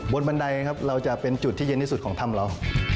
บันไดครับเราจะเป็นจุดที่เย็นที่สุดของถ้ำเรา